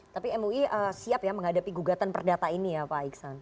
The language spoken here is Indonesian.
tapi mui siap ya menghadapi gugatan perdata ini ya pak iksan